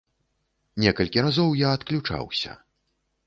Некалькі разоў я адключаўся.